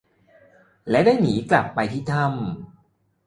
และได้หนีกลับไปที่ถ้ำ